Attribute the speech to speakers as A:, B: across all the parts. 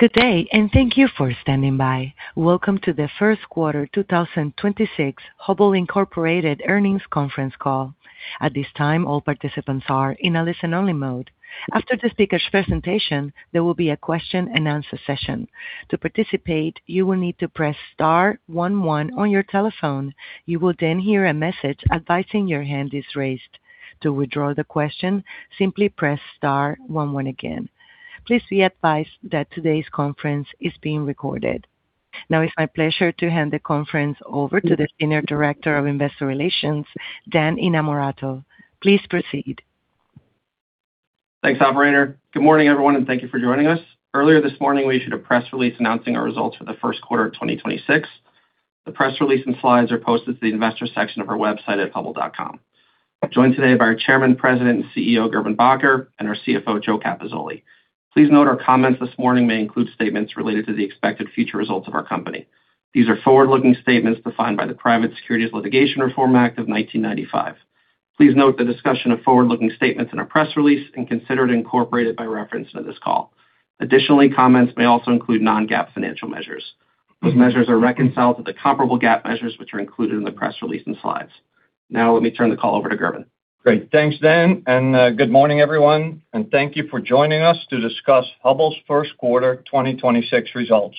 A: Good day, and thank you for standing by. Welcome to the First Quarter 2026 Hubbell Incorporated Earnings Conference Call. At this time, all participants are in a listen-only mode. After the speaker's presentation, there will be a question-and-answer session. To participate, you will need to press star one one on your telephone. You will hear a message advising your hand is raised. To withdraw the question, simply press star one one again. Please be advised that today's conference is being recorded. It's my pleasure to hand the conference over to the Senior Director of Investor Relations, Dan Innamorato. Please proceed.
B: Thanks, operator. Good morning, everyone, and thank you for joining us. Earlier this morning, we issued a press release announcing our results for the first quarter of 2026. The press release and slides are posted to the investor section of our website at hubbell.com. I'm joined today by our Chairman, President, and CEO, Gerben Bakker, and our CFO, Joe Capozzoli. Please note our comments this morning may include statements related to the expected future results of our company. These are forward-looking statements defined by the Private Securities Litigation Reform Act of 1995. Please note the discussion of forward-looking statements in our press release and consider it incorporated by reference in this call. Additionally, comments may also include non-GAAP financial measures. Those measures are reconciled to the comparable GAAP measures, which are included in the press release and slides. Now let me turn the call over to Gerben.
C: Great. Thanks, Dan, good morning, everyone, and thank you for joining us to discuss Hubbell's first quarter 2026 results.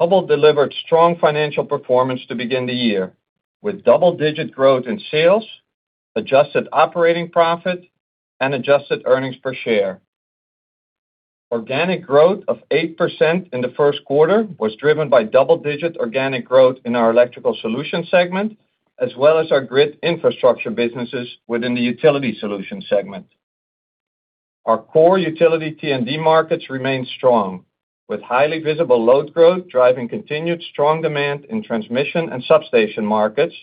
C: Hubbell delivered strong financial performance to begin the year, with double-digit growth in sales, adjusted operating profit, and adjusted earnings per share. Organic growth of 8% in the first quarter was driven by double-digit organic growth in our Electrical Solutions segment, as well as our grid infrastructure businesses within the Utility Solutions segment. Our core Utility T&D markets remain strong, with highly visible load growth driving continued strong demand in transmission and substation markets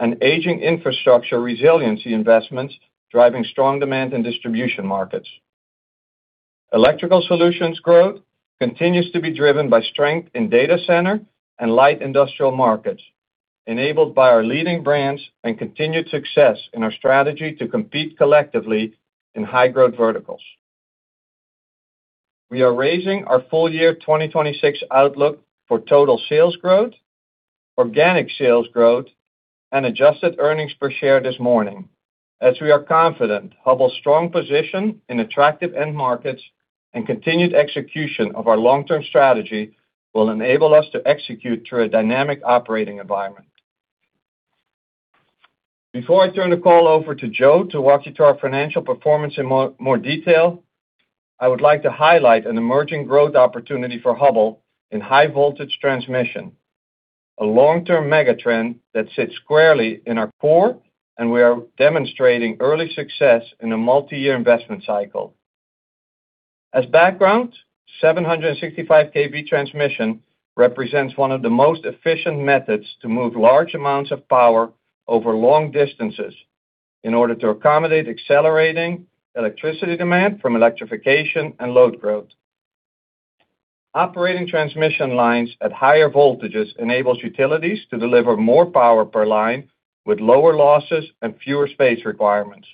C: and aging infrastructure resiliency investments driving strong demand in distribution markets. Electrical Solutions growth continues to be driven by strength in data center and light industrial markets, enabled by our leading brands and continued success in our strategy to compete collectively in high-growth verticals. We are raising our full year 2026 outlook for total sales growth, organic sales growth, and adjusted earnings per share this morning, as we are confident Hubbell's strong position in attractive end markets and continued execution of our long-term strategy will enable us to execute through a dynamic operating environment. Before I turn the call over to Joe to walk you through our financial performance in more detail, I would like to highlight an emerging growth opportunity for Hubbell in high voltage transmission, a long-term mega trend that sits squarely in our core, and we are demonstrating early success in a multi-year investment cycle. As background, 765 kV transmission represents one of the most efficient methods to move large amounts of power over long distances in order to accommodate accelerating electricity demand from electrification and load growth. Operating transmission lines at higher voltages enables utilities to deliver more power per line with lower losses and fewer space requirements.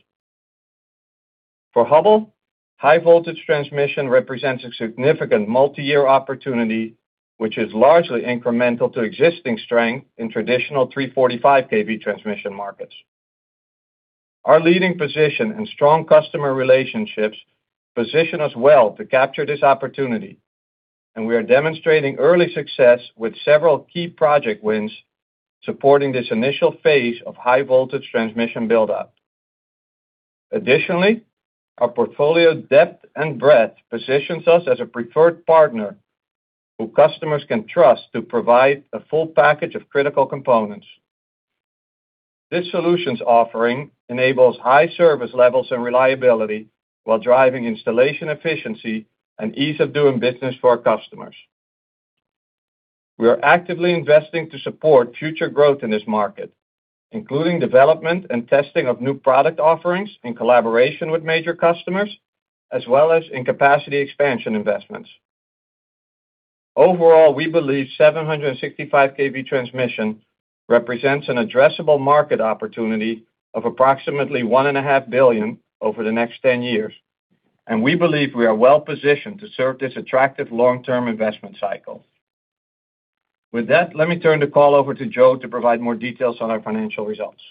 C: For Hubbell, high voltage transmission represents a significant multi-year opportunity, which is largely incremental to existing strength in traditional 345 kV transmission markets. Our leading position and strong customer relationships position us well to capture this opportunity, and we are demonstrating early success with several key project wins supporting this initial phase of high voltage transmission buildup. Additionally, our portfolio depth and breadth positions us as a preferred partner who customers can trust to provide a full package of critical components. This solutions offering enables high service levels and reliability while driving installation efficiency and ease of doing business for our customers. We are actively investing to support future growth in this market, including development and testing of new product offerings in collaboration with major customers, as well as in capacity expansion investments. Overall, we believe 765 kV transmission represents an addressable market opportunity of approximately $1.5 billion over the next 10 years, and we believe we are well-positioned to serve this attractive long-term investment cycle. With that, let me turn the call over to Joe to provide more details on our financial results.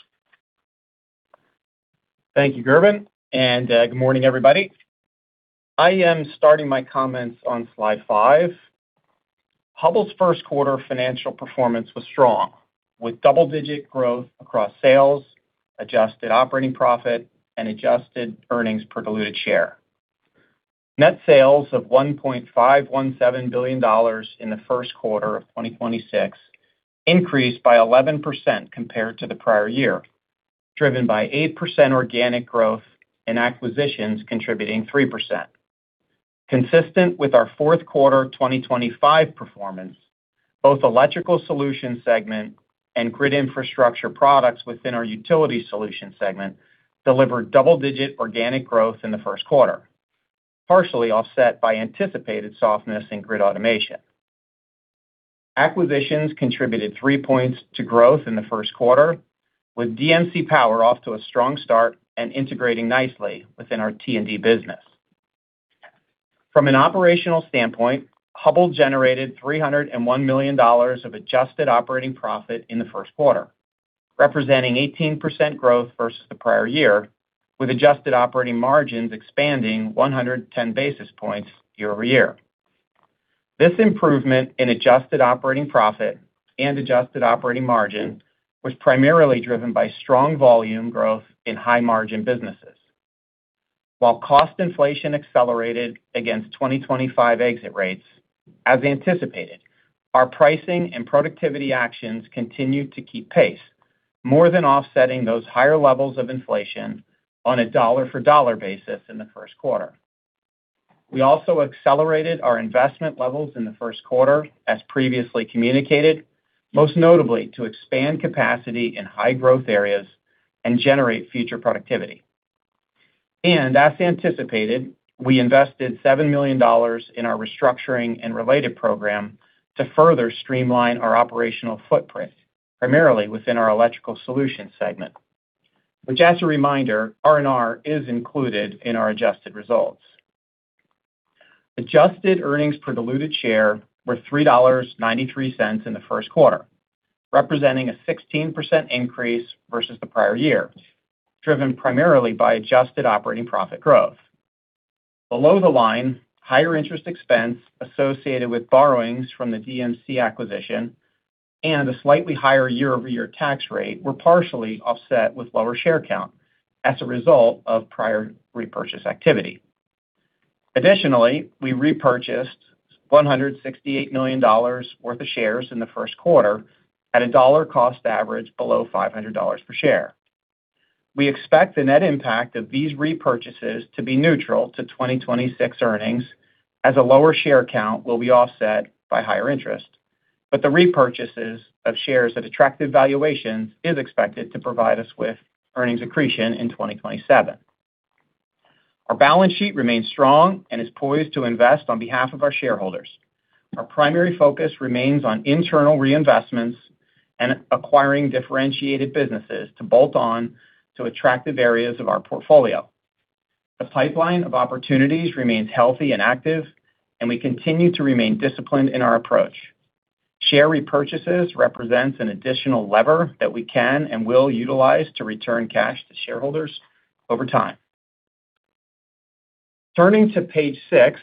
D: Thank you, Gerben, good morning, everybody. I am starting my comments on slide five. Hubbell's first quarter financial performance was strong, with double-digit growth across sales, adjusted operating profit, and adjusted earnings per diluted share. Net sales of $1.517 billion in the first quarter of 2026 increased by 11% compared to the prior year, driven by 8% organic growth and acquisitions contributing 3%. Consistent with our fourth quarter 2025 performance, both Electrical Solutions segment and grid infrastructure products within our Utility Solutions segment delivered double-digit organic growth in the first quarter, partially offset by anticipated softness in grid automation. Acquisitions contributed three points to growth in the first quarter, with DMC Power off to a strong start and integrating nicely within our T&D business. From an operational standpoint, Hubbell generated $301 million of adjusted operating profit in the first quarter, representing 18% growth versus the prior year, with adjusted operating margins expanding 110 basis points year-over-year. This improvement in adjusted operating profit and adjusted operating margin was primarily driven by strong volume growth in high-margin businesses. While cost inflation accelerated against 2025 exit rates, as anticipated, our pricing and productivity actions continued to keep pace, more than offsetting those higher levels of inflation on a dollar-for-dollar basis in the first quarter. We also accelerated our investment levels in the first quarter, as previously communicated, most notably to expand capacity in high-growth areas and generate future productivity. As anticipated, we invested $7 million in our restructuring and related program to further streamline our operational footprint, primarily within our Electrical Solutions segment, which as a reminder, R&R is included in our adjusted results. Adjusted earnings per diluted share were $3.93 in the first quarter, representing a 16% increase versus the prior year, driven primarily by adjusted operating profit growth. Below the line, higher interest expense associated with borrowings from the DMC acquisition and a slightly higher year-over-year tax rate were partially offset with lower share count as a result of prior repurchase activity. Additionally, we repurchased $168 million worth of shares in the first quarter at a dollar cost average below $500 per share. We expect the net impact of these repurchases to be neutral to 2026 earnings, as a lower share count will be offset by higher interest. The repurchases of shares at attractive valuations is expected to provide us with earnings accretion in 2027. Our balance sheet remains strong and is poised to invest on behalf of our shareholders. Our primary focus remains on internal reinvestments and acquiring differentiated businesses to bolt on to attractive areas of our portfolio. The pipeline of opportunities remains healthy and active, and we continue to remain disciplined in our approach. Share repurchases represents an additional lever that we can and will utilize to return cash to shareholders over time. Turning to page six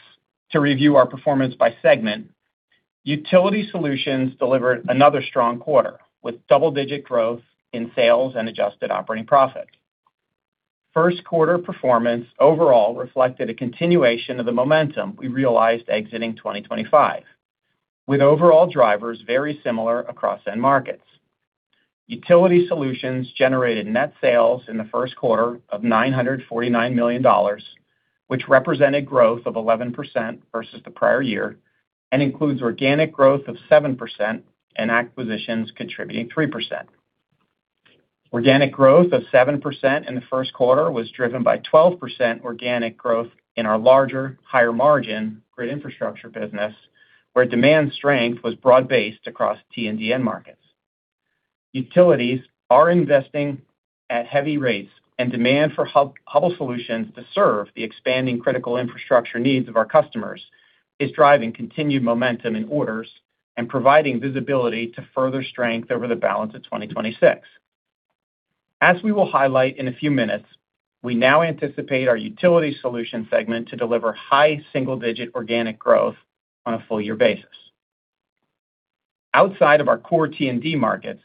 D: to review our performance by segment. Utility Solutions delivered another strong quarter with double-digit growth in sales and adjusted operating profit. First quarter performance overall reflected a continuation of the momentum we realized exiting 2025, with overall drivers very similar across end markets. Utility Solutions generated net sales in the first quarter of $949 million, which represented growth of 11% versus the prior year and includes organic growth of 7% and acquisitions contributing 3%. Organic growth of 7% in the first quarter was driven by 12% organic growth in our larger, higher margin grid infrastructure business, where demand strength was broad-based across T&D end markets. Utilities are investing at heavy rates and demand for Hubbell solutions to serve the expanding critical infrastructure needs of our customers is driving continued momentum in orders and providing visibility to further strength over the balance of 2026. As we will highlight in a few minutes, we now anticipate our Utility Solutions segment to deliver high single-digit organic growth on a full year basis. Outside of our core T&D markets,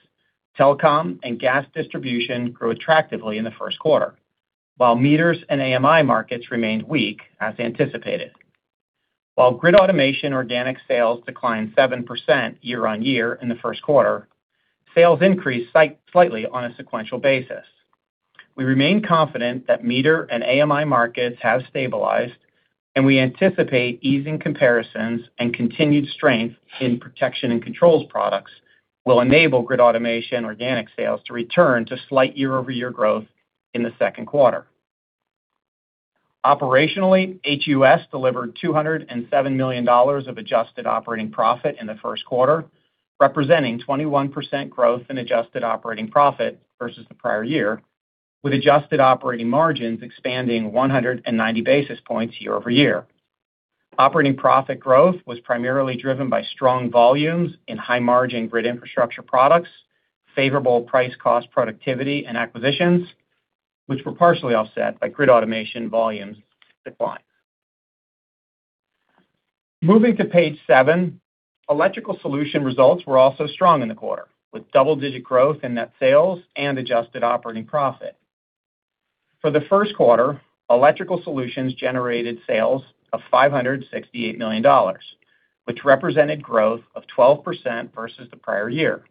D: telecom and gas distribution grew attractively in the first quarter, while meters and AMI markets remained weak as anticipated. While grid automation organic sales declined 7% year-over-year in the first quarter, sales increased slightly on a sequential basis. We remain confident that Meter and AMI markets have stabilized, and we anticipate easing comparisons and continued strength in protection and controls products will enable grid automation organic sales to return to slight year-over-year growth in the second quarter. Operationally, HUS delivered $207 million of adjusted operating profit in the first quarter, representing 21% growth in adjusted operating profit versus the prior year, with adjusted operating margins expanding 190 basis points year-over-year. Operating profit growth was primarily driven by strong volumes in high-margin grid infrastructure products, favorable price cost productivity and acquisitions, which were partially offset by grid automation volumes decline. Moving to page seven. Electrical Solutions results were also strong in the quarter, with double-digit growth in net sales and adjusted operating profit. For the first quarter, Electrical Solutions generated sales of $568 million, which represented growth of 12% versus the prior year.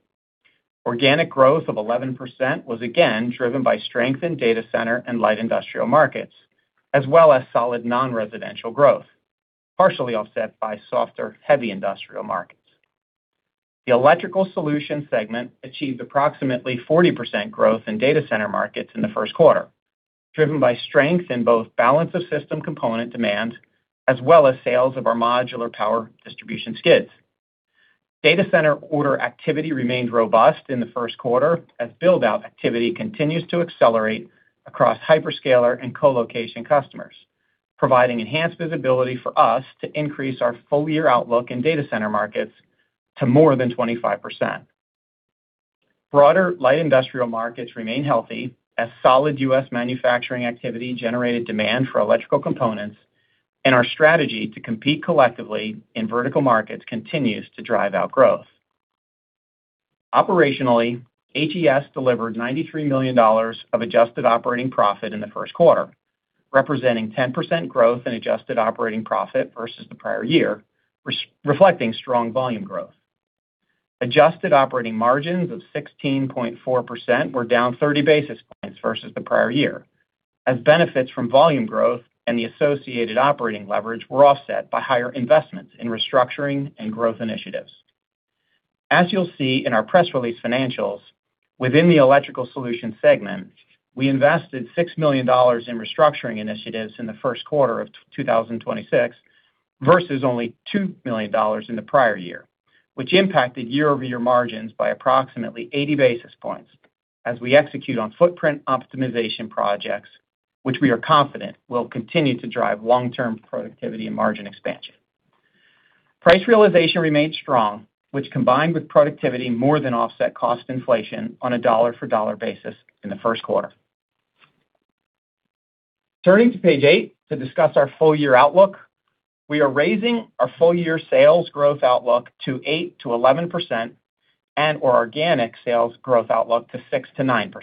D: Organic growth of 11% was again driven by strength in data center and light industrial markets, as well as solid non-residential growth, partially offset by softer heavy industrial markets. The Electrical Solutions segment achieved approximately 40% growth in data center markets in the first quarter. Driven by strength in both balance of system component demand, as well as sales of our modular power distribution skids. Data center order activity remained robust in the first quarter as build-out activity continues to accelerate across hyperscaler and colocation customers, providing enhanced visibility for us to increase our full-year outlook in data center markets to more than 25%. Broader light industrial markets remain healthy as solid U.S. manufacturing activity generated demand for electrical components. Our strategy to compete collectively in vertical markets continues to drive out growth. Operationally, HES delivered $93 million of adjusted operating profit in the first quarter, representing 10% growth in adjusted operating profit versus the prior year, reflecting strong volume growth. Adjusted operating margins of 16.4% were down 30 basis points versus the prior year, as benefits from volume growth and the associated operating leverage were offset by higher investments in restructuring and growth initiatives. As you'll see in our press release financials, within the Hubbell Electrical Solutions segment, we invested $6 million in restructuring initiatives in the first quarter of 2026 versus only $2 million in the prior year, which impacted year-over-year margins by approximately 80 basis points as we execute on footprint optimization projects, which we are confident will continue to drive long-term productivity and margin expansion. Price realization remained strong, which combined with productivity more than offset cost inflation on a dollar-for-dollar basis in the first quarter. Turning to page eight to discuss our full-year outlook. We are raising our full-year sales growth outlook to 8%-11% and our organic sales growth outlook to 6%-9%.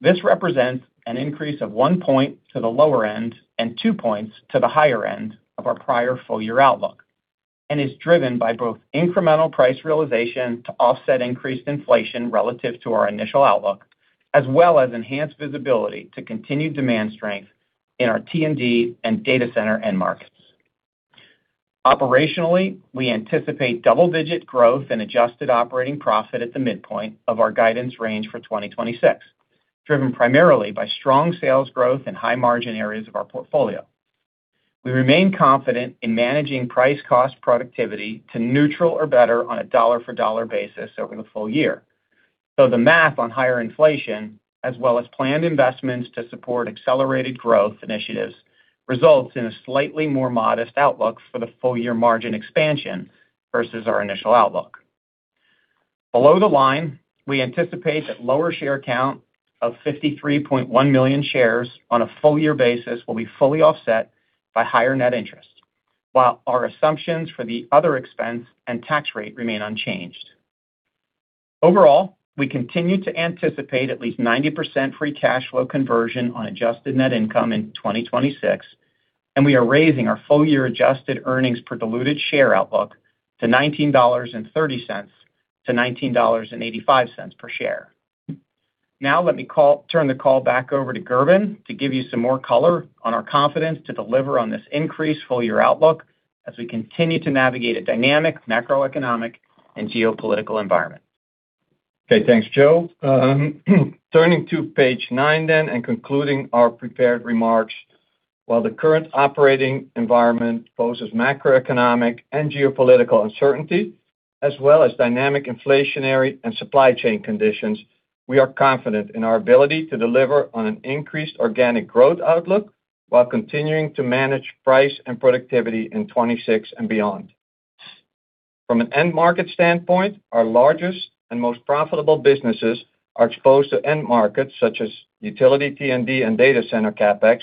D: This represents an increase of one point to the lower end and two points to the higher end of our prior full-year outlook, and is driven by both incremental price realization to offset increased inflation relative to our initial outlook, as well as enhanced visibility to continued demand strength in our T&D and data center end markets. Operationally, we anticipate double-digit growth in adjusted operating profit at the midpoint of our guidance range for 2026, driven primarily by strong sales growth in high-margin areas of our portfolio. We remain confident in managing price cost productivity to neutral or better on a dollar-for-dollar basis over the full year. The math on higher inflation, as well as planned investments to support accelerated growth initiatives, results in a slightly more modest outlook for the full-year margin expansion versus our initial outlook. Below the line, we anticipate that lower share count of 53.1 million shares on a full-year basis will be fully offset by higher net interest, while our assumptions for the other expense and tax rate remain unchanged. Overall, we continue to anticipate at least 90% free cash flow conversion on adjusted net income in 2026, and we are raising our full-year adjusted earnings per diluted share outlook to $19.30-$19.85 per share. Now let me turn the call back over to Gerben to give you some more color on our confidence to deliver on this increased full-year outlook as we continue to navigate a dynamic macroeconomic and geopolitical environment.
C: Okay. Thanks, Joe. Turning to page nine and concluding our prepared remarks. While the current operating environment poses macroeconomic and geopolitical uncertainty, as well as dynamic inflationary and supply chain conditions, we are confident in our ability to deliver on an increased organic growth outlook while continuing to manage price and productivity in 2026 and beyond. From an end market standpoint, our largest and most profitable businesses are exposed to end markets such as utility T&D and data center CapEx,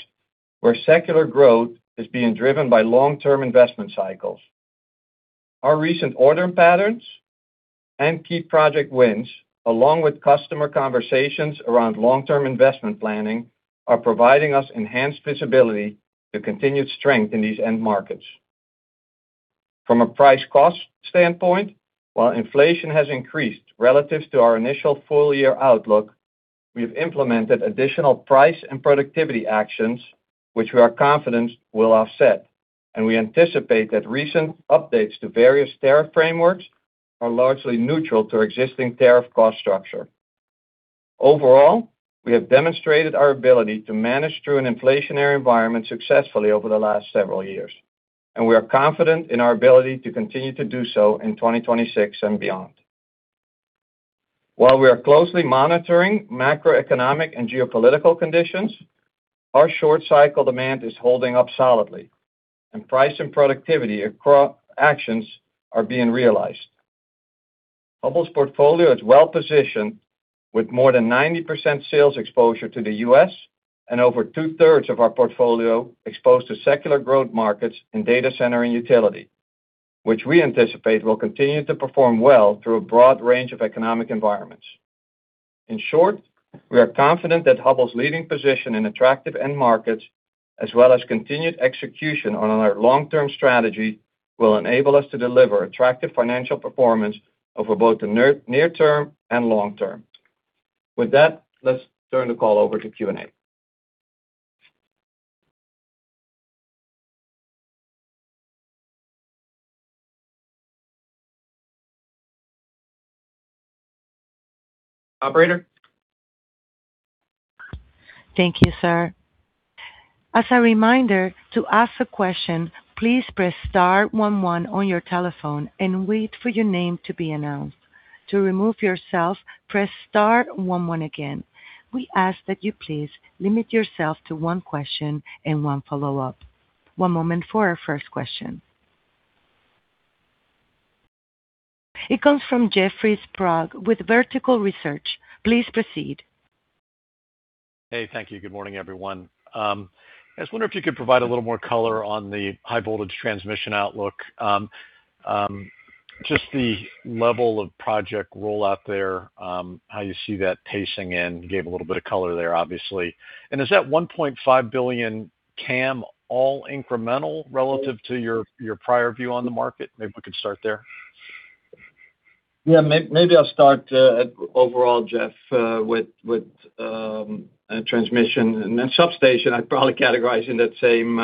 C: where secular growth is being driven by long-term investment cycles. Our recent order patterns and key project wins, along with customer conversations around long-term investment planning, are providing us enhanced visibility to continued strength in these end markets. From a price cost standpoint, while inflation has increased relative to our initial full-year outlook, we have implemented additional price and productivity actions, which we are confident will offset. We anticipate that recent updates to various tariff frameworks are largely neutral to existing tariff cost structure. Overall, we have demonstrated our ability to manage through an inflationary environment successfully over the last several years. We are confident in our ability to continue to do so in 2026 and beyond. While we are closely monitoring macroeconomic and geopolitical conditions, our short cycle demand is holding up solidly. Price and productivity actions are being realized. Hubbell's portfolio is well-positioned with more than 90% sales exposure to the U.S. and over two-thirds of our portfolio exposed to secular growth markets in data center and utility, which we anticipate will continue to perform well through a broad range of economic environments. In short, we are confident that Hubbell's leading position in attractive end markets, as well as continued execution on our long-term strategy, will enable us to deliver attractive financial performance over both the near term and long term. With that, let's turn the call over to Q&A. Operator?
A: Thank you, sir. As a reminder, to ask a question, please press star one one on your telephone and wait for your name to be announced. To remove yourself, press star one one again. We ask that you please limit yourself to one question and one follow-up. One moment for our first question. It comes from Jeffrey Sprague with Vertical Research. Please proceed.
E: Hey, thank you. Good morning, everyone. I was wondering if you could provide a little more color on the high voltage transmission outlook, just the level of project rollout there, how you see that pacing, and you gave a little bit of color there, obviously. Is that $1.5 billion CapEx all incremental relative to your prior view on the market? Maybe we could start there.
C: Yeah. Maybe I'll start overall, Jeff, with transmission. Substation, I'd probably categorize in that same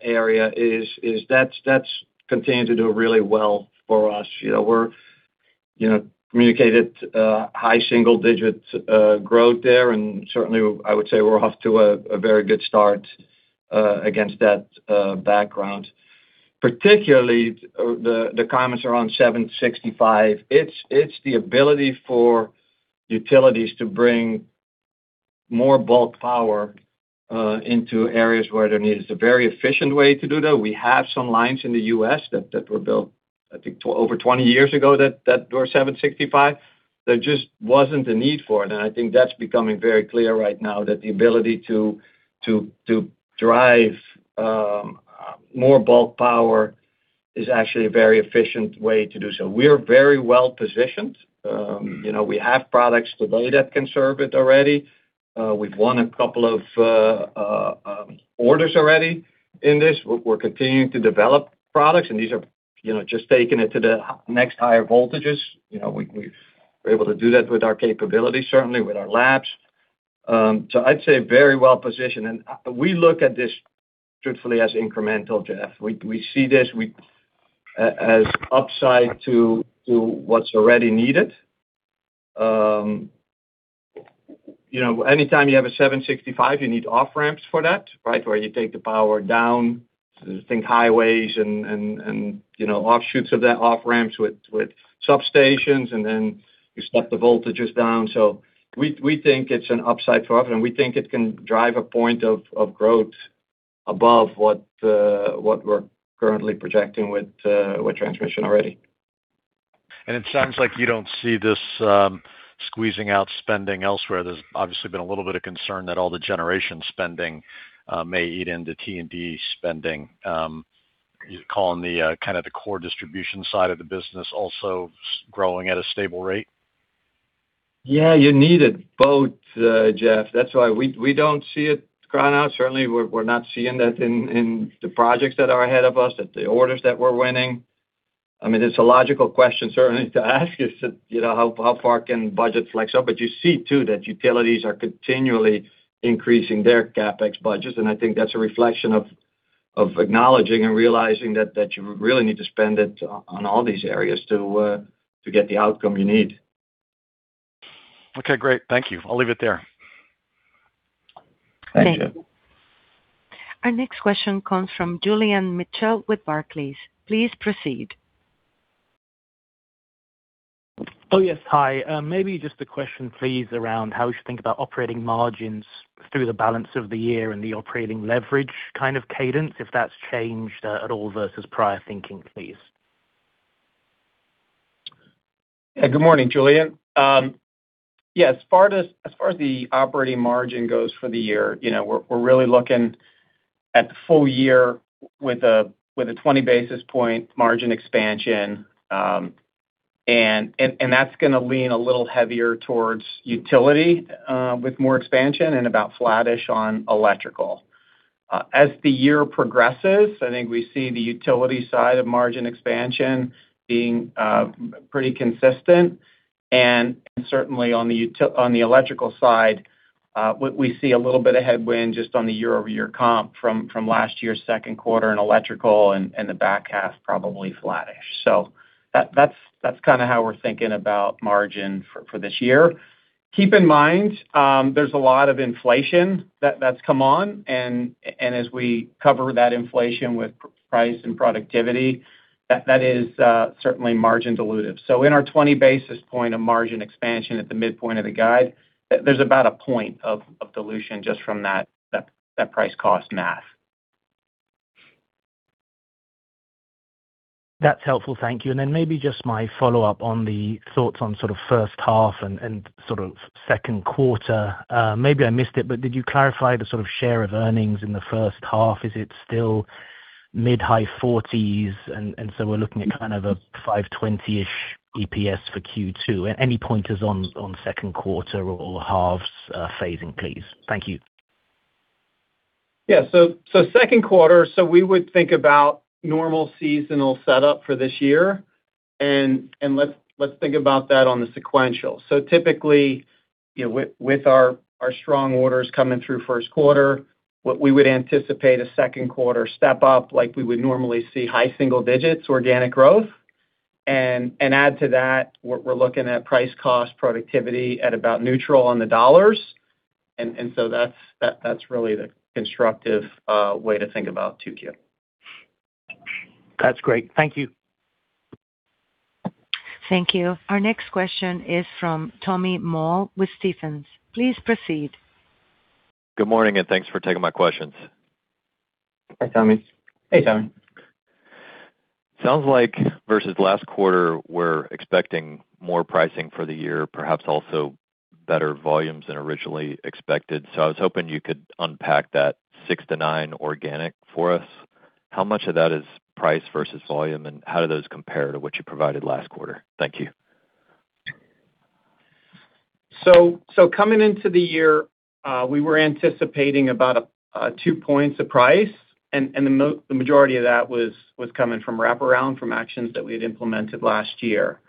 C: area, is that's continuing to do really well for us. You know, we're, you know, communicated high single digits growth there, and certainly I would say we're off to a very good start against that background. Particularly, the comments around 765 kV, it's the ability for utilities to bring more bulk power into areas where they're needed. It's a very efficient way to do that. We have some lines in the U.S. that were built, I think over 20 years ago, that were 765 kV. There just wasn't a need for it. I think that's becoming very clear right now, that the ability to drive more bulk power is actually a very efficient way to do so. We are very well-positioned. You know, we have products today that can serve it already. We've won a couple of orders already in this. We're continuing to develop products, and these are, you know, just taking it to the next higher voltages. You know, we're able to do that with our capabilities, certainly with our labs. I'd say very well-positioned. We look at this truthfully as incremental, Jeff. We see this as upside to what's already needed. You know, anytime you have a 765 kV, you need off-ramps for that, right, where you take the power down. Think highways and, you know, offshoots of that, off-ramps with substations, and then you step the voltages down. We think it's an upside for us, and we think it can drive a point of growth above what we're currently projecting with transmission already.
E: It sounds like you don't see this squeezing out spending elsewhere. There's obviously been a little bit of concern that all the generation spending may eat into T&D spending. Are you calling the kind of the core distribution side of the business also growing at a stable rate?
C: Yeah, you need it both, Jeff. That's why we don't see it crowding out. Certainly, we're not seeing that in the projects that are ahead of us, at the orders that we're winning. I mean, it's a logical question certainly to ask is that, you know, how far can budgets flex up? You see too that utilities are continually increasing their CapEx budgets, and I think that's a reflection of acknowledging and realizing that you really need to spend it on all these areas to get the outcome you need.
E: Okay, great. Thank you. I'll leave it there.
C: Thanks, Jeff.
A: Thank you. Our next question comes from Julian Mitchell with Barclays. Please proceed.
F: Yes. Hi. Maybe just a question, please, around how we should think about operating margins through the balance of the year and the operating leverage kind of cadence, if that's changed at all versus prior thinking, please.
D: Yeah. Good morning, Julian. Yeah, as far as the operating margin goes for the year, you know, we're really looking at the full year with a 20 basis point margin expansion. That's gonna lean a little heavier towards utility with more expansion and about flattish on electrical. As the year progresses, I think we see the utility side of margin expansion being pretty consistent. Certainly on the electrical side, we see a little bit of headwind just on the year-over-year comp from last year's second quarter in electrical and the back half probably flattish. That's kinda how we're thinking about margin for this year. Keep in mind, there's a lot of inflation that's come on, and as we cover that inflation with price and productivity, that is certainly margin dilutive. In our 20 basis point of margin expansion at the midpoint of the guide, there's about one point of dilution just from that price cost math.
F: That's helpful. Thank you. Then maybe just my follow-up on the thoughts on sort of first half and sort of second quarter. Maybe I missed it, but did you clarify the sort of share of earnings in the first half? Is it still mid-high 40s, and so we're looking at kind of a $5.20-ish EPS for Q2? Any pointers on second quarter or halves, phasing, please? Thank you.
D: Yeah. Second quarter, we would think about normal seasonal setup for this year, and let's think about that on the sequential. Typically, you know, with our strong orders coming through first quarter. What we would anticipate a second quarter step up like we would normally see high single digits organic growth. Add to that, we're looking at price cost productivity at about neutral on the dollars. That's really the constructive way to think about 2Q.
F: That's great. Thank you.
A: Thank you. Our next question is from Tommy Moll with Stephens. Please proceed.
G: Good morning, and thanks for taking my questions.
D: Hi, Tommy.
C: Hey, Tommy.
G: Sounds like versus last quarter, we're expecting more pricing for the year, perhaps also better volumes than originally expected. I was hoping you could unpack that 6%-9% organic for us. How much of that is price versus volume, and how do those compare to what you provided last quarter? Thank you.
D: Coming into the year, we were anticipating about two points of price, and the majority of that was coming from wraparound from actions that we had implemented last year.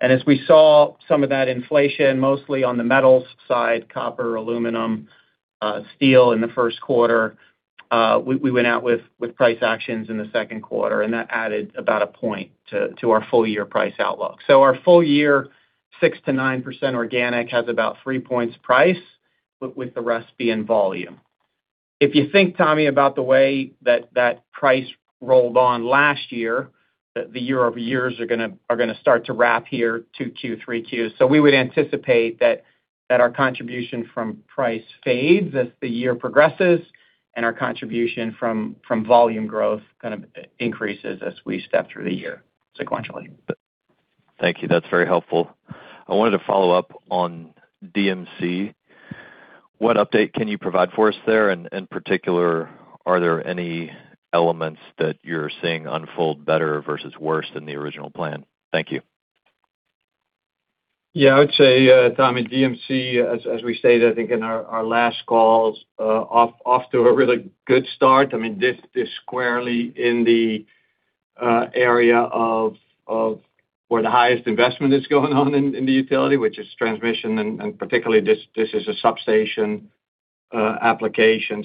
D: As we saw some of that inflation, mostly on the metals side, copper, aluminum, steel in the first quarter, we went out with price actions in the second quarter, and that added about a point to our full year price outlook. Our full year 6%-9% organic has about three points price, but with the rest being volume. If you think, Tommy, about the way that that price rolled on last year, the year-over-years are gonna start to wrap here 2Q, 3Q. We would anticipate that our contribution from price fades as the year progresses, and our contribution from volume growth kind of increases as we step through the year sequentially.
G: Thank you. That's very helpful. I wanted to follow up on DMC. What update can you provide for us there? In particular, are there any elements that you're seeing unfold better versus worse than the original plan? Thank you.
C: Yeah. I would say, Tommy, DMC, as we stated, I think in our last calls, to a really good start. I mean, this is squarely in the area of where the highest investment is going on in the utility, which is transmission, and particularly this is a substation application.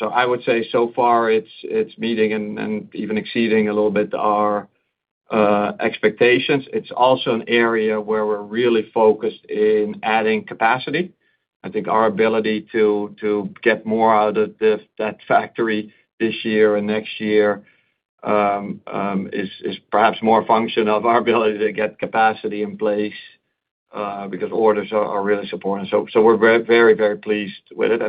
C: I would say so far it's meeting and even exceeding a little bit our expectations. It's also an area where we're really focused in adding capacity. I think our ability to get more out of that factory this year and next year is perhaps more a function of our ability to get capacity in place because orders are really supporting. We're very pleased with it.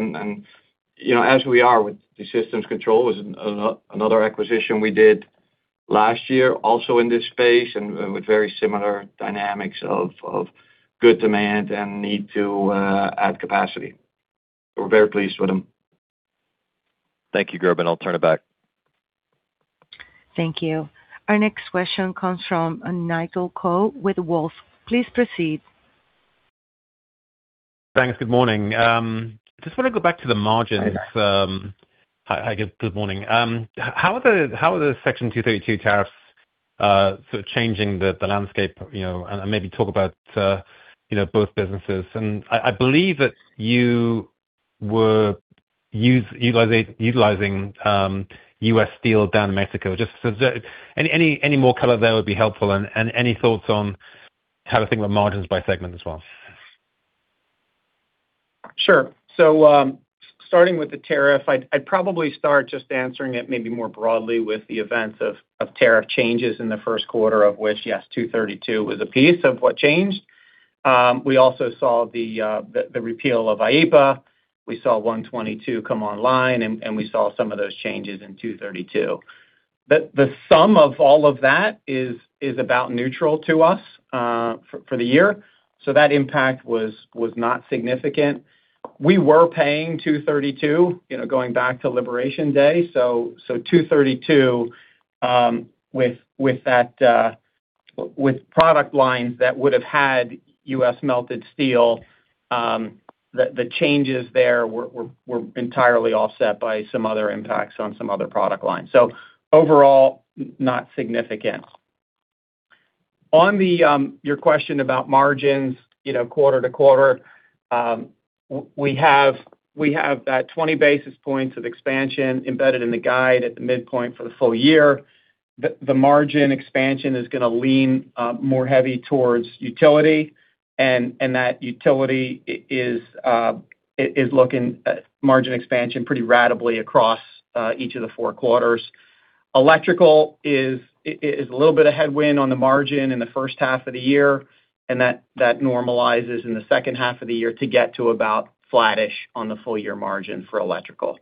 C: You know, as we are with System-Control was another acquisition we did last year, also in this space and with very similar dynamics of good demand and need to add capacity. We're very pleased with them.
G: Thank you, Gerben. I'll turn it back.
A: Thank you. Our next question comes from Nigel Coe with Wolfe Research. Please proceed.
H: Thanks. Good morning. I just wanna go back to the margins. Hi, good morning. How are the Section 232 tariffs sort of changing the landscape, you know, and maybe talk about, you know, both businesses. I believe that you were utilizing U.S. Steel down in Mexico. Just so any more color there would be helpful and any thoughts on how to think about margins by segment as well.
D: Sure. Starting with the tariff, I'd probably start just answering it maybe more broadly with the events of tariff changes in the first quarter, of which, yes, Section 232 was a piece of what changed. We also saw the repeal of IEEPA. We saw Section 122 come online, and we saw some of those changes in Section 232. The sum of all of that is about neutral to us for the year. That impact was not significant. We were paying Section 232, you know, going back to Liberation Day. Section 232 with that with product lines that would have had U.S. melted steel, the changes there were entirely offset by some other impacts on some other product lines. Overall, not significant. On the, your question about margins, you know, quarter-to-quarter, we have that 20 basis points of expansion embedded in the guide at the midpoint for the full year. The, the margin expansion is gonna lean more heavy towards utility, and that utility is looking at margin expansion pretty ratably across each of the four quarters. Electrical is a little bit of headwind on the margin in the first half of the year, and that normalizes in the second half of the year to get to about flattish on the full year margin for electrical.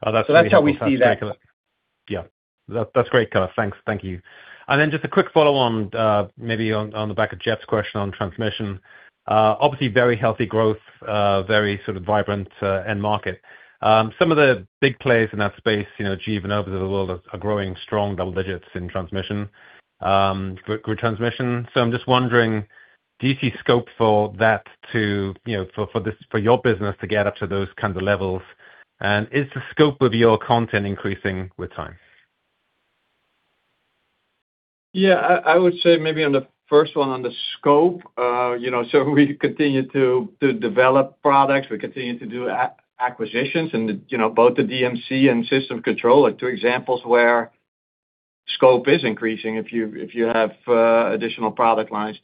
H: Oh, that's-
D: That's how we see that.
H: Yeah. That's great, Joe. Thanks. Thank you. Just a quick follow-on, maybe on the back of Jeff's question on transmission. Obviously very healthy growth, very sort of vibrant end market. Some of the big players in that space, you know, GE and others of the world are growing strong double digits in transmission, grid transmission. I'm just wondering, do you see scope for that to, you know, for your business to get up to those kinds of levels? Is the scope of your content increasing with time?
C: Yeah, I would say maybe on the first one, on the scope, you know, we continue to develop products. We continue to do acquisitions and the, you know, both the DMC and Systems Control are two examples where scope is increasing if you, if you have additional product lines.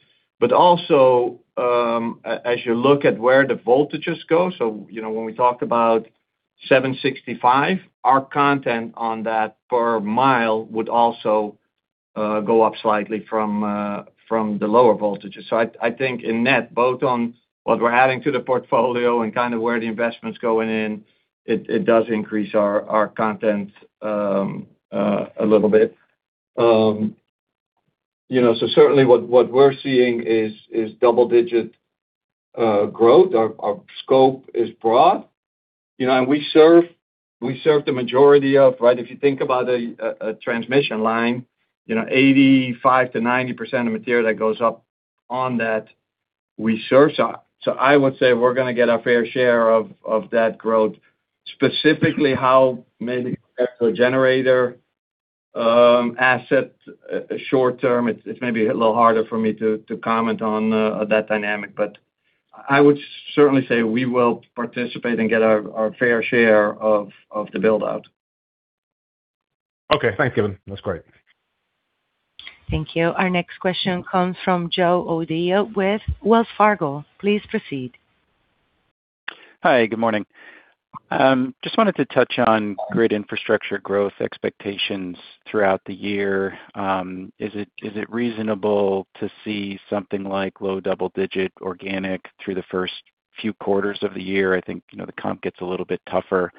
C: Also, as you look at where the voltages go, you know, when we talk about 765 kV, our content on that per mile would also go up slightly from the lower voltages. I think in net, both on what we're adding to the portfolio and kind of where the investment's going in, it does increase our content a little bit. You know, certainly what we're seeing is double-digit growth. Our scope is broad. You know, we serve the majority of, right? If you think about a transmission line, you know, 85%-90% of material that goes up on that, we source that. I would say we're gonna get our fair share of that growth. Specifically how maybe generator asset short term, it's maybe a little harder for me to comment on that dynamic. I would certainly say we will participate and get our fair share of the build-out.
H: Okay, thanks, Gerben. That's great.
A: Thank you. Our next question comes from Joe O'Dea with Wells Fargo. Please proceed.
I: Hi, good morning. Just wanted to touch on grid infrastructure growth expectations throughout the year. Is it reasonable to see something like low double-digit organic through the first few quarters of the year? I think, you know, the comp gets a little bit tougher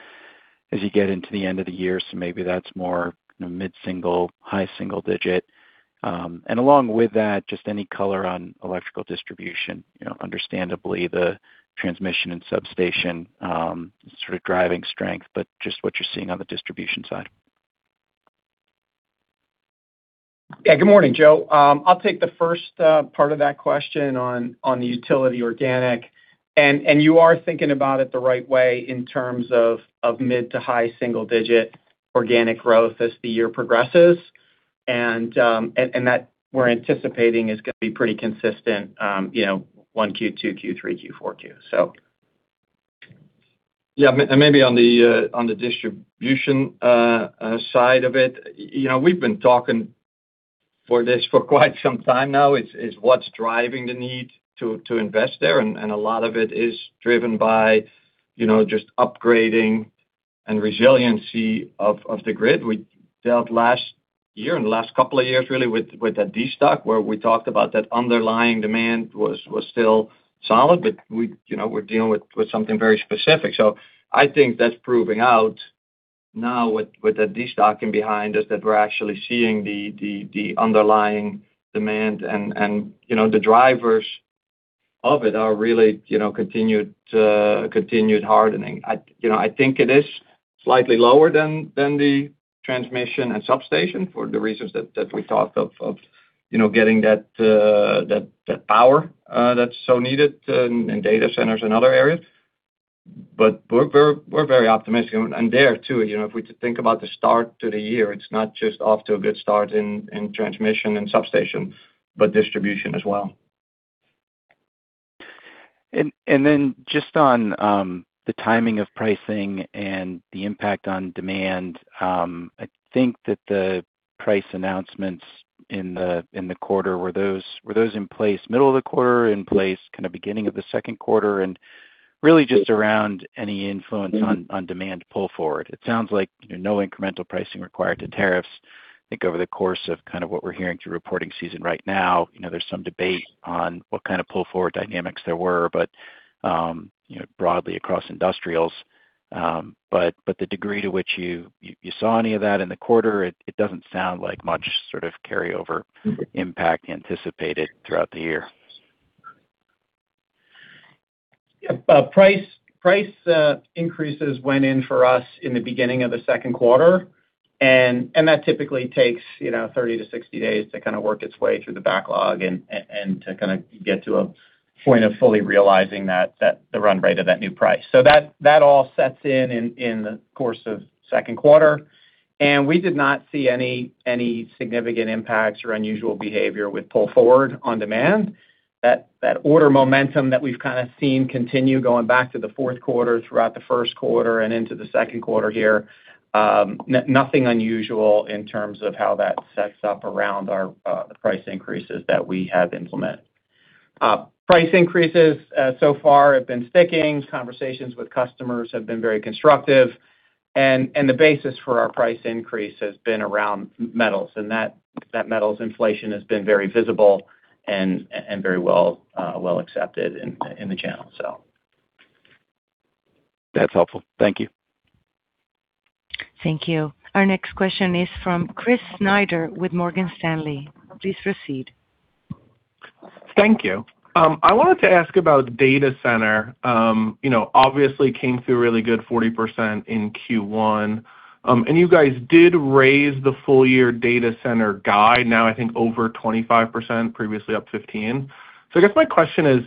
I: as you get into the end of the year, so maybe that's more, you know, mid-single, high single digit. Along with that, just any color on electrical distribution. You know, understandably the transmission and substation sort of driving strength, but just what you're seeing on the distribution side.
D: Yeah, good morning, Joe. I'll take the first part of that question on the utility organic. You are thinking about it the right way in terms of mid to high single digit organic growth as the year progresses. That we're anticipating is gonna be pretty consistent, you know, 1Q, 2Q, 3Q, 4Q, so.
C: Yeah, maybe on the distribution side of it. You know, we've been talking for this for quite some time now, is what's driving the need to invest there. A lot of it is driven by, you know, just upgrading and resiliency of the grid. We dealt last year and the last couple of years really with that destock, where we talked about that underlying demand was still solid, but we, you know, we're dealing with something very specific. I think that's proving out now with the destocking behind us, that we're actually seeing the underlying demand and, you know, the drivers of it are really, you know, continued hardening. I, you know, I think it is slightly lower than the transmission and substation for the reasons that we talked of, you know, getting that power that's so needed in data centers and other areas. We're very optimistic. There too, you know, if we think about the start to the year, it's not just off to a good start in transmission and substation, but distribution as well.
I: Then just on the timing of pricing and the impact on demand, I think that the price announcements in the quarter, were those in place middle of the quarter, beginning of the second quarter? Really just around any influence on demand pull forward. It sounds like, you know, no incremental pricing required to tariffs. I think over the course of kind of what we're hearing through reporting season right now, you know, there's some debate on what kind of pull forward dynamics there were, but, you know, broadly across industrials. But the degree to which you saw any of that in the quarter, it doesn't sound like much sort of carryover impact anticipated throughout the year.
D: Price increases went in for us in the beginning of the second quarter. That typically takes, you know, 30-60 days to kind of work its way through the backlog and to kind of get to a point of fully realizing that the run rate of that new price. That all sets in in the course of second quarter. We did not see any significant impacts or unusual behavior with pull forward on demand. That order momentum that we've kind of seen continue going back to the fourth quarter throughout the first quarter and into the second quarter here, nothing unusual in terms of how that sets up around our the price increases that we have implemented. Price increases so far have been sticking. Conversations with customers have been very constructive. The basis for our price increase has been around metals, and that metals inflation has been very visible and very well, well accepted in the channel, so.
I: That's helpful. Thank you.
A: Thank you. Our next question is from Chris Snyder with Morgan Stanley. Please proceed.
J: Thank you. I wanted to ask about data center. You know, obviously came through a really good 40% in Q1. And you guys did raise the full year data center guide, now I think over 25%, previously up 15%. I guess my question is.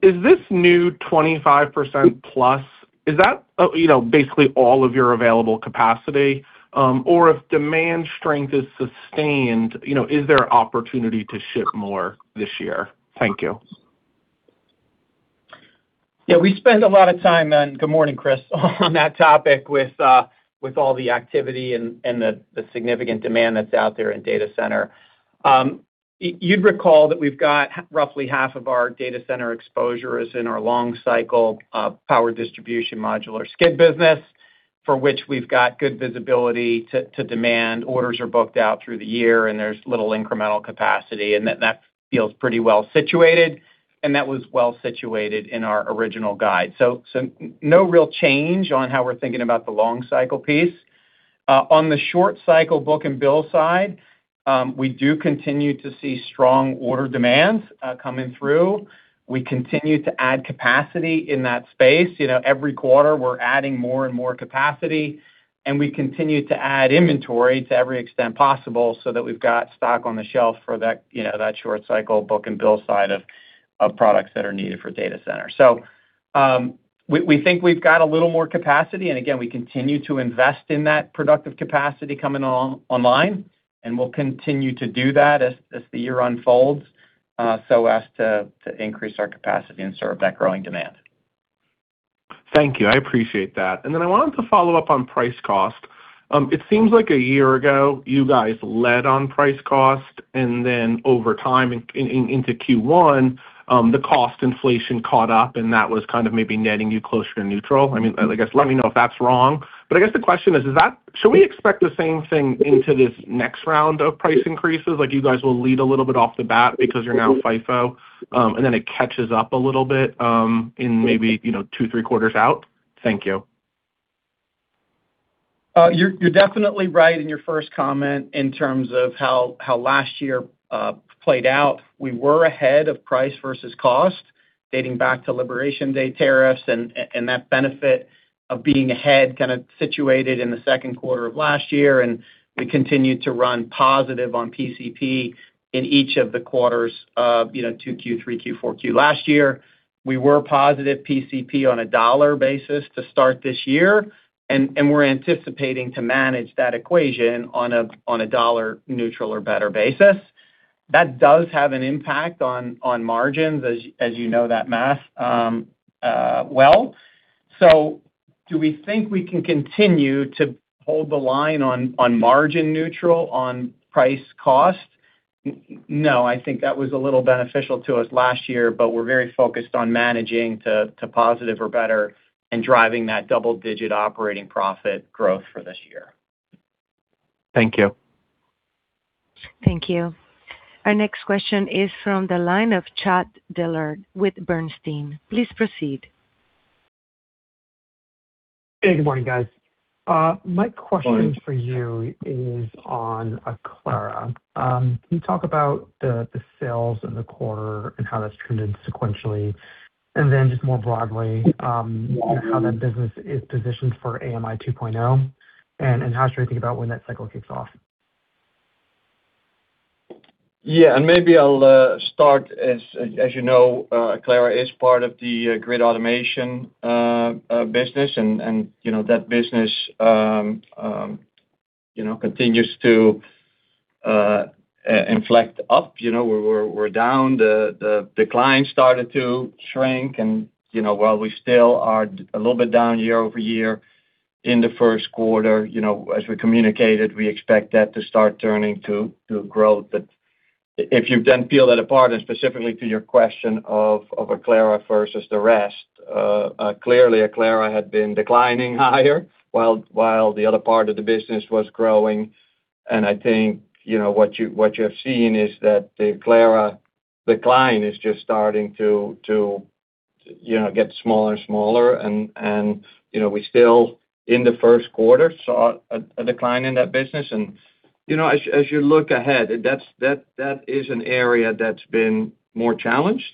J: Is this new 25%+, is that, you know, basically all of your available capacity? Or if demand strength is sustained, you know, is there opportunity to ship more this year? Thank you.
D: Yeah, we spend a lot of time and, good morning, Chris, on that topic with all the activity and the significant demand that's out there in data center. You'd recall that we've got roughly half of our data center exposure is in our long cycle power distribution modular skid business, for which we've got good visibility to demand. Orders are booked out through the year, and there's little incremental capacity, and that feels pretty well situated, and that was well situated in our original guide. No real change on how we're thinking about the long cycle piece. On the short cycle book and bill side, we do continue to see strong order demands coming through. We continue to add capacity in that space. You know, every quarter, we're adding more and more capacity, and we continue to add inventory to every extent possible so that we've got stock on the shelf for that, you know, that short cycle book and bill side of products that are needed for data center. We think we've got a little more capacity, and again, we continue to invest in that productive capacity coming online, and we'll continue to do that as the year unfolds, so as to increase our capacity and serve that growing demand.
J: Thank you. I appreciate that. I wanted to follow up on price cost. It seems like a year ago, you guys led on price cost, and then over time into Q1, the cost inflation caught up, and that was kind of maybe netting you closer to neutral. I mean, I guess, let me know if that's wrong. I guess the question is, should we expect the same thing into this next round of price increases? Like you guys will lead a little bit off the bat because you're now FIFO, and then it catches up a little bit, in maybe, you know, two, three quarters out? Thank you.
D: You're, you're definitely right in your first comment in terms of how last year played out. We were ahead of price versus cost, dating back to Liberation Day tariffs and that benefit of being ahead kind of situated in the second quarter of last year, and we continued to run positive on PCP in each of the quarters of, you know, 2Q, 3Q, 4Q last year. We were positive PCP on a dollar basis to start this year, and we're anticipating to manage that equation on a dollar neutral or better basis. That does have an impact on margins as you know that math well. Do we think we can continue to hold the line on margin neutral on price cost? No, I think that was a little beneficial to us last year, but we're very focused on managing to positive or better and driving that double-digit operating profit growth for this year.
J: Thank you.
A: Thank you. Our next question is from the line of Chad Dillard with Bernstein. Please proceed.
K: Hey, good morning, guys.
C: Morning.
K: -for you is on Aclara. Can you talk about the sales in the quarter and how that's trended sequentially? Then just more broadly, how that business is positioned for AMI 2.0, and how should I think about when that cycle kicks off?
C: Yeah. Maybe I'll start. As you know, Aclara is part of the grid automation business and, you know, that business, you know, continues to inflect up. You know, we're down. The decline started to shrink and, you know, while we still are a little bit down year-over-year in the first quarter, you know, as we communicated, we expect that to start turning to growth. If you then peel that apart, and specifically to your question of Aclara versus the rest, clearly Aclara had been declining higher while the other part of the business was growing. I think, you know, what you, what you have seen is that the Aclara decline is just starting to, you know, get smaller and smaller and, you know, we still in the first quarter saw a decline in that business. You know, as you, as you look ahead, that is an area that's been more challenged,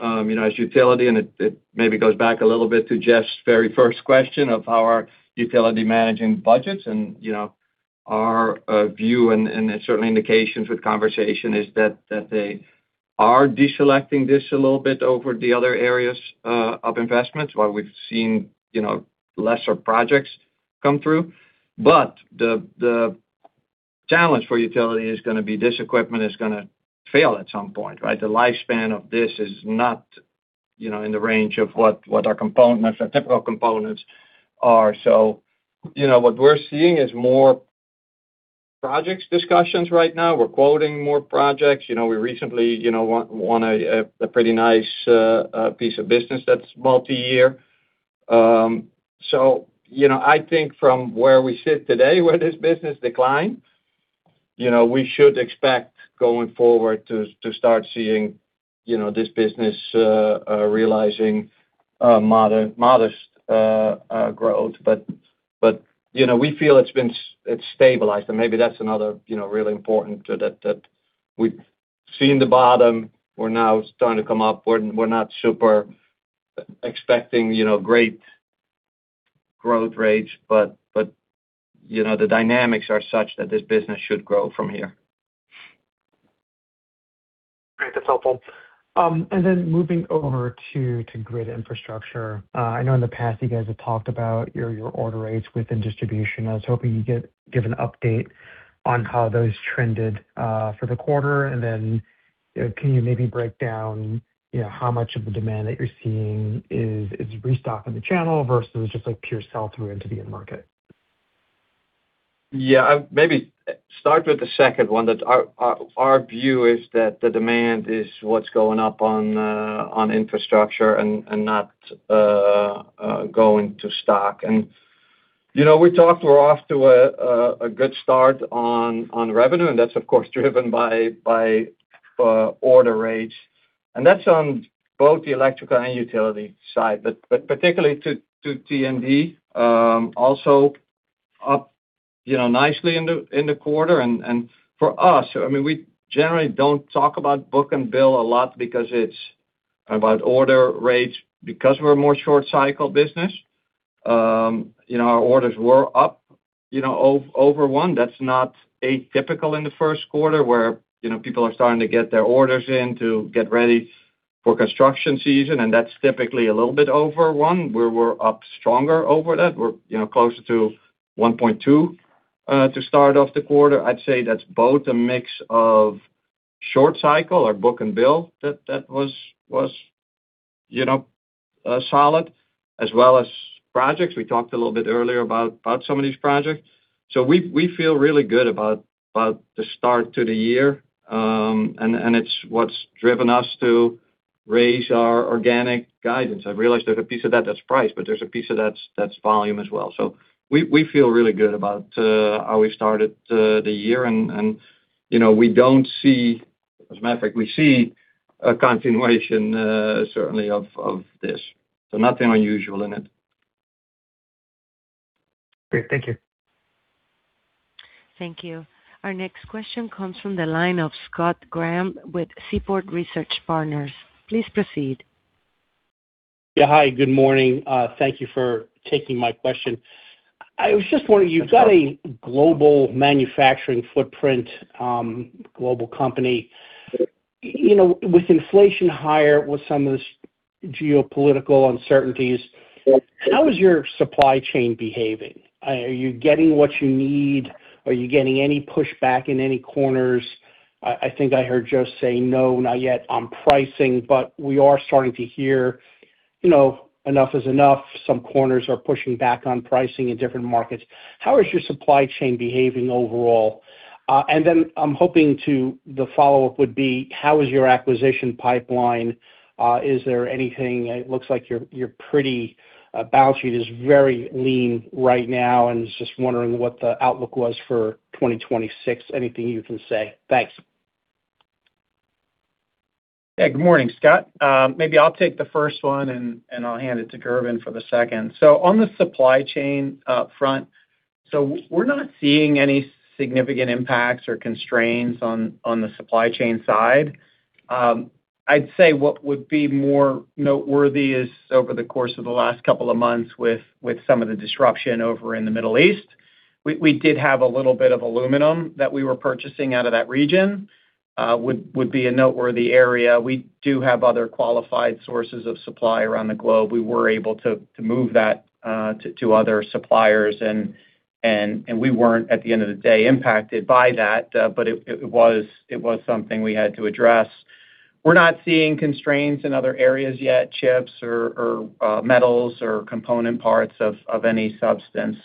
C: you know, as utility, and it maybe goes back a little bit to Jeff's very first question of how are utility managing budgets. You know, our view and certainly indications with conversation is that they are deselecting this a little bit over the other areas of investments while we've seen, you know, lesser projects come through. The challenge for utility is gonna be this equipment is gonna fail at some point, right? The lifespan of this is not, you know, in the range of what our components, our typical components are. You know, what we're seeing is more projects discussions right now. We're quoting more projects. You know, we recently, you know, won a pretty nice piece of business that's multi-year. You know, I think from where we sit today, where this business declined, you know, we should expect going forward to start seeing, you know, this business realizing modest growth. But, you know, we feel it's been it's stabilized, and maybe that's another, you know, really important that we've seen the bottom. We're now starting to come up. We're not super expecting, you know, great growth rates, but, you know, the dynamics are such that this business should grow from here.
K: Great. That's helpful. Moving over to grid infrastructure. I know in the past you guys have talked about your order rates within distribution. I was hoping you'd give an update on how those trended for the quarter, and then can you maybe break down, you know, how much of the demand that you're seeing is restock in the channel versus just like pure sell-through into the end market?
C: Yeah. Maybe start with the second one. That our view is that the demand is what's going up on infrastructure and not going to stock. You know, we talked we're off to a good start on revenue, and that's of course driven by order rates. That's on both the electrical and utility side. But particularly to T&D, also up, you know, nicely in the quarter. For us, I mean, we generally don't talk about book and bill a lot because it's about order rates because we're a more short cycle business. You know, our orders were up, you know, over one. That's not atypical in the first quarter where, you know, people are starting to get their orders in to get ready for construction season, and that's typically a little bit over one, where we're up stronger over that. We're, you know, closer to 1.2 to start off the quarter. I'd say that's both a mix of short cycle or book and bill that was, you know, solid, as well as projects. We talked a little bit earlier about some of these projects. We feel really good about the start to the year, and it's what's driven us to raise our organic guidance. I've realized there's a piece of that that's price, but there's a piece of that that's volume as well. We feel really good about how we started the year and, you know, as a matter of fact, we see a continuation certainly of this. Nothing unusual in it.
K: Great. Thank you.
A: Thank you. Our next question comes from the line of Scott Graham with Seaport Research Partners. Please proceed.
L: Yeah. Hi, good morning. Thank you for taking my question. I was just wondering, you've got a global manufacturing footprint, global company. You know, with inflation higher, with some of this geopolitical uncertainties, how is your supply chain behaving? Are you getting what you need? Are you getting any pushback in any corners? I think I heard Joe say, no, not yet on pricing, but we are starting to hear, you know, enough is enough. Some corners are pushing back on pricing in different markets. How is your supply chain behaving overall? Then I'm hoping the follow-up would be, how is your acquisition pipeline? Is there anything? It looks like your pretty balance sheet is very lean right now, and was just wondering what the outlook was for 2026. Anything you can say. Thanks.
D: Good morning, Scott. Maybe I'll take the first one and I'll hand it to Gerben for the second. On the supply chain front, we're not seeing any significant impacts or constraints on the supply chain side. I'd say what would be more noteworthy is over the course of the last couple of months with some of the disruption over in the Middle East, we did have a little bit of aluminum that we were purchasing out of that region, would be a noteworthy area. We do have other qualified sources of supply around the globe. We were able to move that to other suppliers and we weren't, at the end of the day, impacted by that. It was something we had to address. We're not seeing constraints in other areas yet, chips or metals or component parts of any substance.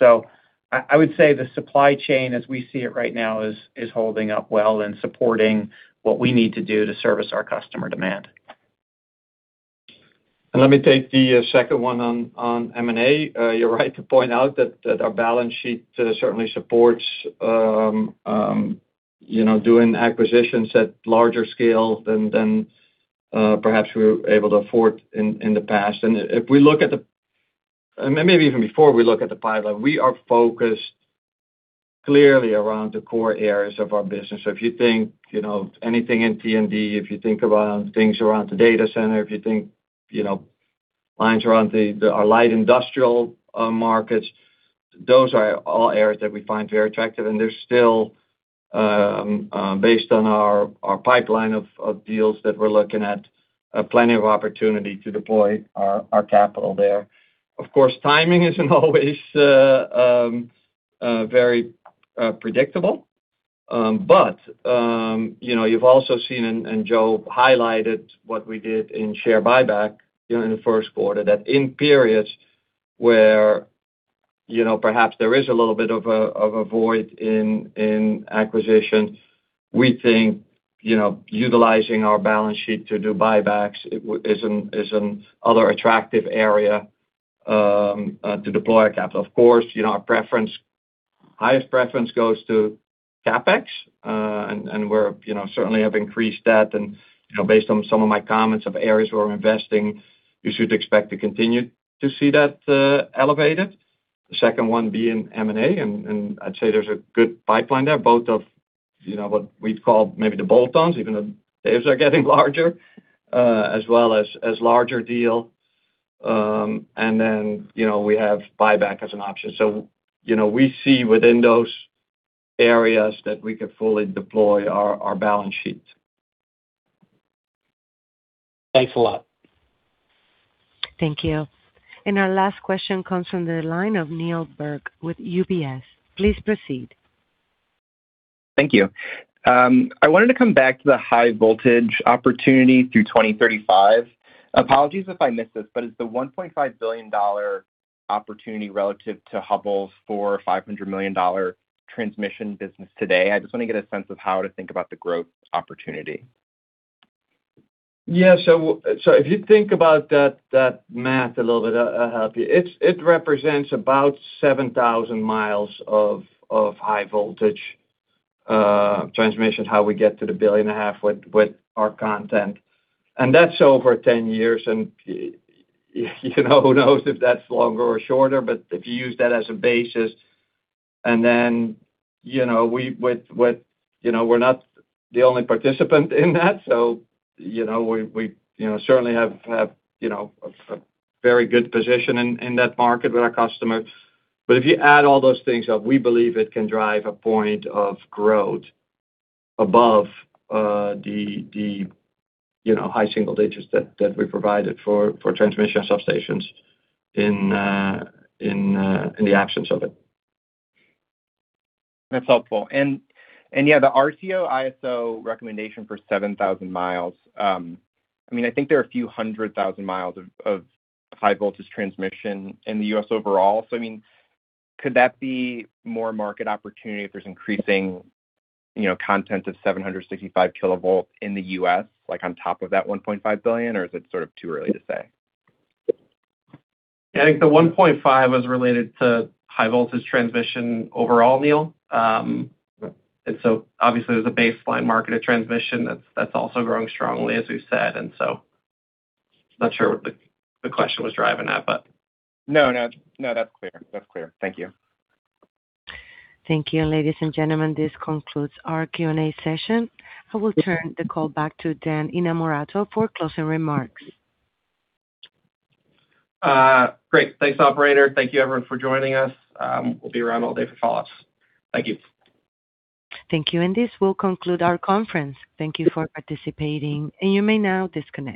D: I would say the supply chain, as we see it right now, is holding up well and supporting what we need to do to service our customer demand.
C: Let me take the second one on M&A. You're right to point out that our balance sheet certainly supports, you know, doing acquisitions at larger scale than perhaps we were able to afford in the past. If we look at the, maybe even before we look at the pipeline, we are focused clearly around the core areas of our business. If you think, you know, anything in T&D, if you think about things around the data center, if you think, you know, lines around the our light industrial markets, those are all areas that we find very attractive. There's still, based on our pipeline of deals that we're looking at, plenty of opportunity to deploy our capital there. Of course, timing isn't always very predictable. You know, you've also seen, and Joe highlighted what we did in share buyback during the first quarter, that in periods where, you know, perhaps there is a little bit of a void in acquisition, we think, you know, utilizing our balance sheet to do buybacks is an other attractive area, to deploy our capital. Of course, you know, our preference, highest preference goes to CapEx. we're, you know, certainly have increased that. You know, based on some of my comments of areas where we're investing, you should expect to continue to see that elevated. The second one being M&A, I'd say there's a good pipeline there, both You know, what we'd call maybe the bolt-ons, even though they are getting larger, as well as larger deal. Then, you know, we have buyback as an option. You know, we see within those areas that we could fully deploy our balance sheet.
L: Thanks a lot.
A: Thank you. Our last question comes from the line of Neil Konigsberg with UBS. Please proceed.
M: Thank you. I wanted to come back to the high voltage opportunity through 2035. Apologies if I missed this, but is the $1.5 billion opportunity relative to Hubbell's $400 million or $500 million transmission business today? I just wanna get a sense of how to think about the growth opportunity.
C: Yeah. If you think about that math a little bit, I'll help you. It represents about 7,000 miles of high voltage transmissions, how we get to the $1.5 billion with our content. That's over 10 years, and, you know, who knows if that's longer or shorter. If you use that as a basis, and then, you know, we're not the only participant in that, so, you know, we, you know, certainly have, you know, a very good position in that market with our customer. If you add all those things up, we believe it can drive a point of growth above the, you know, high single digits that we provided for transmission and substations in the absence of it.
M: That's helpful. The RTO/ISO recommendation for 7,000 miles, I mean, I think there are a few hundred thousand miles of high voltage transmission in the U.S. overall. I mean, could that be more market opportunity if there's increasing, you know, content of 765 kV in the U.S. like on top of that $1.5 billion, or is it sort of too early to say?
C: I think the $1.5 billion was related to high voltage transmission overall, Neil. Obviously, there's a baseline market of transmission that's also growing strongly, as we've said. Not sure what the question was driving at, but.
M: No, no. No, that's clear. That's clear. Thank you.
A: Thank you. Ladies and gentlemen, this concludes our Q&A session. I will turn the call back to Dan Innamorato for closing remarks.
B: Great. Thanks, operator. Thank you everyone for joining us. We'll be around all day for follow-ups. Thank you.
A: Thank you. This will conclude our conference. Thank you for participating, and you may now disconnect.